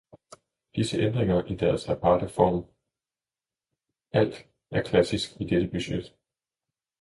Disse ændringer i deres aparte form, alt er klassisk i dette budget.